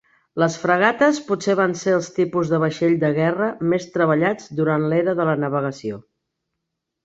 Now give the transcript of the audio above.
Les fragates potser van ser els tipus de vaixell de guerra més treballats durant l'Era de la Navegació.